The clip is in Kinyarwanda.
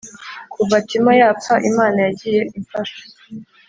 “Kuva Timo yapfa Imana yagiye imfasha